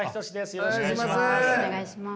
よろしくお願いします。